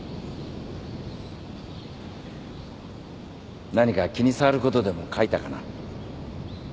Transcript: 何か気に障ることでも書いたかな？